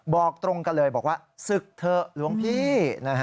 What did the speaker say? บอกตรงกันเลยบอกว่าศึกเถอะหลวงพี่